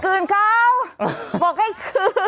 คืนเขาบอกให้คืน